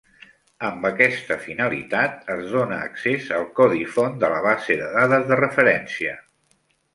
Amb aquesta finalitat, es dona accés al codi font de la base de dades de referència.